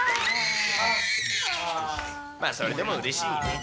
まあそれでもうれしい。